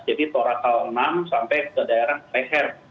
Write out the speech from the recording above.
jadi torakal enam sampai ke daerah leher